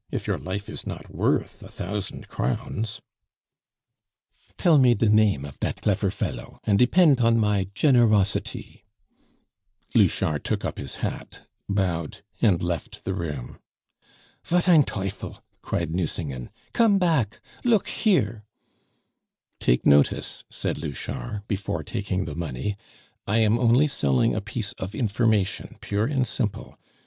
If your life is not worth a thousand crowns " "Tell me de name of dat clefer fellow, and depent on my generosity " Louchard took up his hat, bowed, and left the room. "Wat ein teufel!" cried Nucingen. "Come back look here " "Take notice," said Louchard, before taking the money, "I am only selling a piece of information, pure and simple.